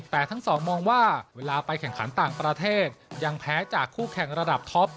แต่ทั้งสองมองว่าเวลาไปแข่งขันต่างประเทศยังแพ้จากคู่แข่งระดับท็อป